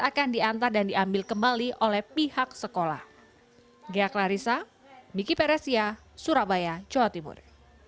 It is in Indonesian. akan diantar dan diambil kembali oleh pihak sekolah ghea klarissa miki peresia surabaya jawa timur